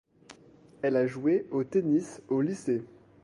Elle a joué au tennis au lycée.